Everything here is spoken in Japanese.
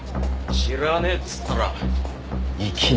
知らねえっつったらいきなり。